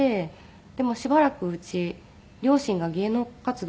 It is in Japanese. でもしばらくうち両親が芸能活動